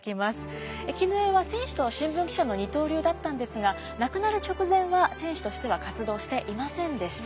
絹枝は選手と新聞記者の二刀流だったんですが亡くなる直前は選手としては活動していませんでした。